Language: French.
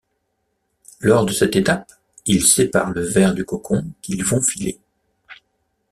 Lors de cette étape, ils séparent le ver du cocon qu'ils vont filer.